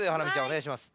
おねがいします。